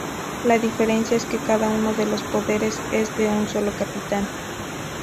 La diferencia es que cada uno de los poderes es de un solo capitán.